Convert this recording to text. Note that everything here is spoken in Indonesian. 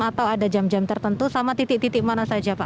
atau ada jam jam tertentu sama titik titik mana saja pak